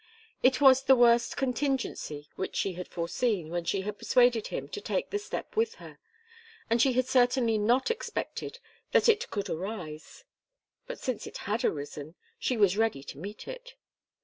It was the worst contingency which she had foreseen when she had persuaded him to take the step with her, and she had certainly not expected that it could arise; but since it had arisen, she was ready to meet it.